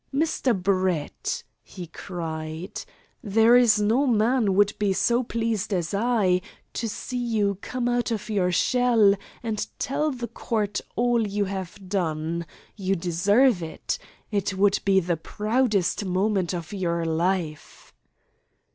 "Mr. Brett," he cried, "there is no man would be so pleased as I to see you come out of your shell, and tell the Court all you have done. You deserve it. It would be the proudest moment of your life."